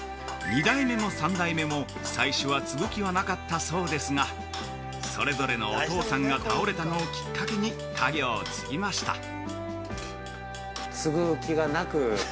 ２代目も３代目も、最初は継ぐ気はなかったそうですがそれぞれのお父さんが倒れたのをきっかけに家業を継ぎました。